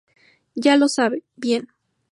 ya lo sabe. bien.